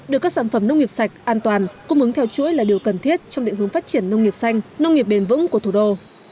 đưa các sản phẩm nông nghiệp sạch an toàn cung ứng theo chuỗi là điều cần thiết trong địa hướng phát triển nông nghiệp xanh nông nghiệp bền vững của thủ đô